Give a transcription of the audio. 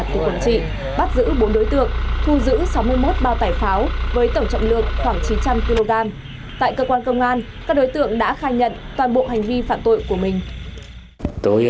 tỉnh quảng trị bắt giữ bốn đối tượng thu giữ sáu mươi một bao tải pháo với tổng trọng lượng khoảng chín trăm linh kg